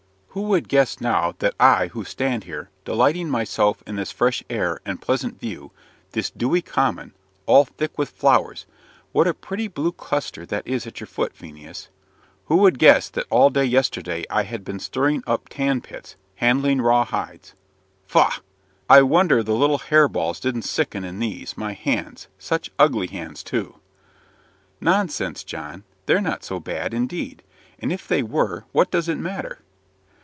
"Who would guess now that I who stand here, delighting myself in this fresh air and pleasant view, this dewy common, all thick with flowers what a pretty blue cluster that is at your foot, Phineas! who would guess that all yesterday I had been stirring up tan pits, handling raw hides? Faugh! I wonder the little harebells don't sicken in these, my hands such ugly hands, too!" "Nonsense, John! they're not so bad, indeed; and if they were, what does it matter?"